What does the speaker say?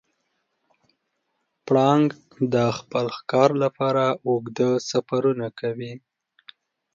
پړانګ د خپل ښکار لپاره اوږده سفرونه کوي.